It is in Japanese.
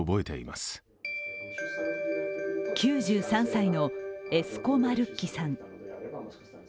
９３歳のエスコ・マルッキさん。